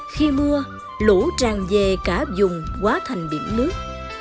khi mưa lũ tràn về cả dùng quá thành biển nước